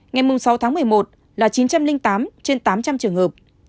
ngày mùng bảy tháng một mươi một là chín trăm ba mươi bảy trên chín trăm linh trường hợp